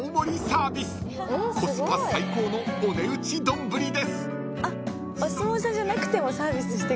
［コスパ最高のお値打ち丼です］